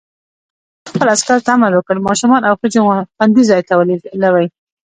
رئیس جمهور خپلو عسکرو ته امر وکړ؛ ماشومان او ښځې خوندي ځای ته ولېلوئ!